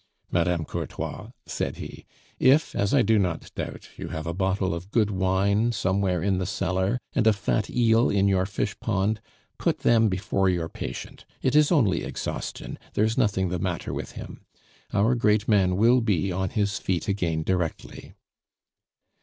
"Mme. Courtois," said he, "if, as I do not doubt, you have a bottle of good wine somewhere in the cellar, and a fat eel in your fish pond, put them before your patient, it is only exhaustion; there is nothing the matter with him. Our great man will be on his feet again directly."